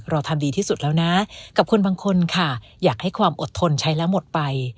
เราทำดีที่สุดแล้วนะกับคนบางคนค่ะอยากให้ความอดทนใช้แล้วหมดไป